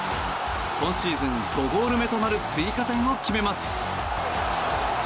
今シーズン５ゴール目となる追加点を決めます。